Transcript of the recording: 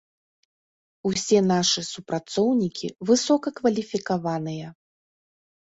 Усе нашы супрацоўнікі высокакваліфікаваныя.